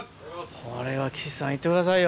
これは岸さんいってくださいよ。